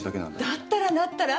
だったらなったら？